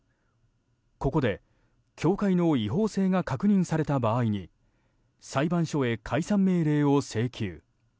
ここで教会の違法性が確認された場合に裁判所へ解散命令を請求。